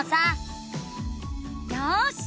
よし！